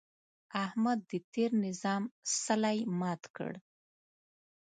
احمد د تېر نظام څلی مات کړ.